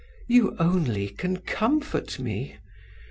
You only can comfort me.